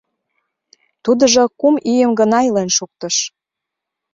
Тудыжо кум ийым гына илен шуктыш.